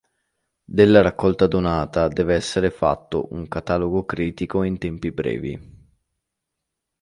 Della raccolta donata deve essere fatto un catalogo critico in tempi brevi.